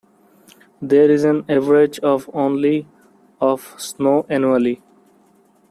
There is an average of only of snow annually.